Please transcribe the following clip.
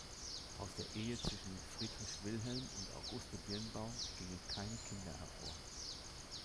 Aus der Ehe zwischen Friedrich Wilhelm und Auguste Birnbaum gingen keine Kinder hervor.